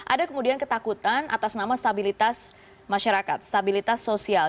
ada kemudian ketakutan atas nama stabilitas masyarakat stabilitas sosial